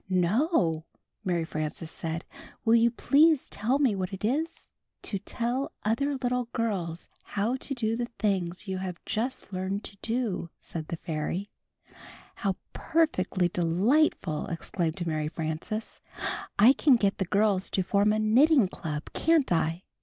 "No," Mary Frances said. "WiU you please tell me what it is? " dk of How womderful 222 Knitting and Crocheting Book "To tell other little girls how to do the things you have just learned to do," said the fairy. "How perfectly delightful!" exclaimed Mary Frances. "I can get the girls to form a knitting club, can't I?"